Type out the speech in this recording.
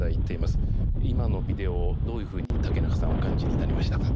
今のビデオをどういうふうに竹中さんお感じになりましたか？